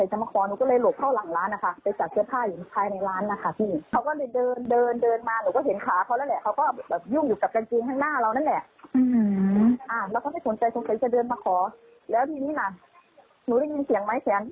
หลายแกนเขาก็เลยหิดใส่ถุง